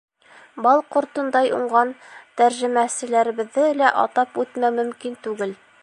Бал ҡортондай уңған тәржемәселәребеҙҙе лә атап үтмәү мөмкин түгел.